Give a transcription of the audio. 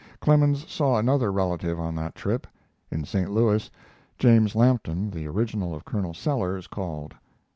Clemens saw another relative on that trip; in St. Louis, James Lampton, the original of Colonel Sellers, called.